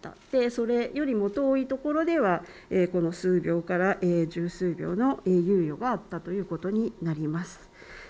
それよりも遠いところでは数秒から十数秒の猶予があったということになります。